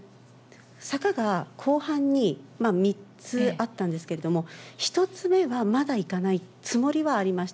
坂が後半に３つあったんですけれども、１つ目はまだいかないつもりはありました。